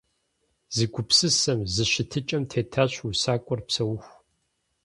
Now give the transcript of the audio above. Зы гупсысэм, зы щытыкӀэм тетащ усакӀуэр псэуху.